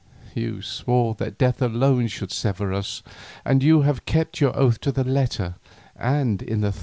You swore that death alone should sever us, and you have kept your oath in the letter and in the thought.